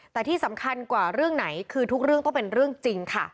แต่ที่สำคัญกว่าเรื่องไหนคือทุกเรื่องต้องเป็นเรื่องจริงค่ะ